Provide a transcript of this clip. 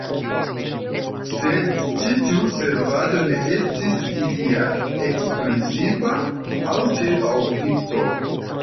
Sed ĉi tiu servado ne estis ilia ekskluziva aŭ ĉefa ofico.